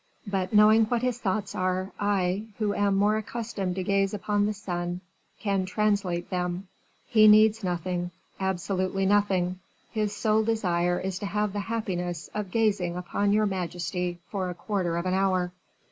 But, knowing what his thoughts are, I who am more accustomed to gaze upon the sun can translate them: he needs nothing, absolutely nothing; his sole desire is to have the happiness of gazing upon your majesty for a quarter of an hour."